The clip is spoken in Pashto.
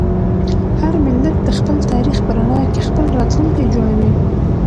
هر ملت د خپل تاریخ په رڼا کې خپل راتلونکی جوړوي.